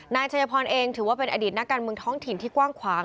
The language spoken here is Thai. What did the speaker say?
นายชัยพรเองถือว่าเป็นอดีตนักการเมืองท้องถิ่นที่กว้างขวาง